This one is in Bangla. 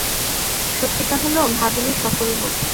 সত্যিটা হল, ভাবিনি সফল হব।